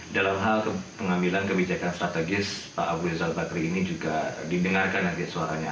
dalam hal pengambilan kebijakan strategis pak abu rizal bakri ini juga didengarkan nanti suaranya